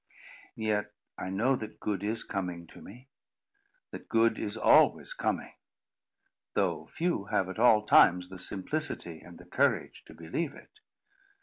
Yet I know that good is coming to me—that good is always coming; though few have at all times the simplicity and the courage to believe it.